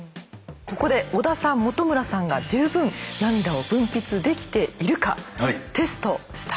ここで織田さん元村さんが十分涙を分泌できているかテストしたいと思います。